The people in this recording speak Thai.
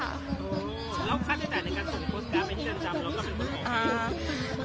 แล้วค่าใช้จ่ายในการส่งโฟสการ์ไม่ได้เจอจำแล้วก็เป็นบทของใคร